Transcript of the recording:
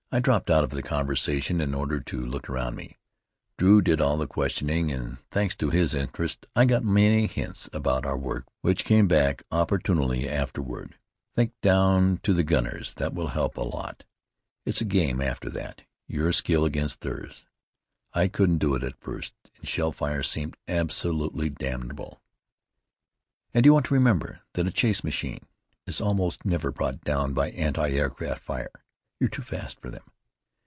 I dropped out of the conversation in order to look around me. Drew did all of the questioning, and thanks to his interest, I got many hints about our work which came back opportunely, afterward. "Think down to the gunners. That will help a lot. It's a game after that: your skill against theirs. I couldn't do it at first, and shell fire seemed absolutely damnable." "And you want to remember that a chasse machine is almost never brought down by anti aircraft fire. You are too fast for them.